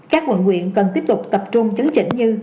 các quận huyện cần tiếp tục tập trung chấn chỉnh như